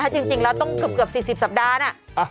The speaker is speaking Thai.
จริงแล้วต้องเกือบ๔๐สัปดาห์นะ